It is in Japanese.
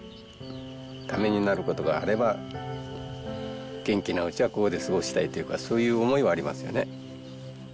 ためになることがあれば元気なうちはここで過ごしたいというかそういう思いはありますよね。